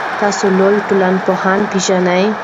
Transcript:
آیا تاسو لویه ټولنپوهنه پېژنئ؟